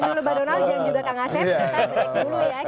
tahan dulu bang donald dan juga kang asep